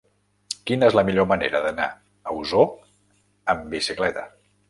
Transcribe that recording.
Quina és la millor manera d'anar a Osor amb bicicleta?